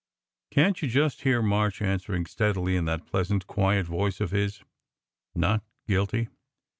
Can t you just hear March answering steadily in that pleasant, quiet voice of his : Not guilty